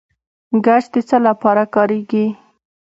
ګچ د څه لپاره کاریږي؟